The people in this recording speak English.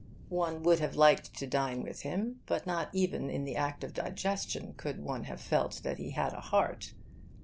One would have liked to dine with him, but not even in the act of digestion could one have felt that he had a heart.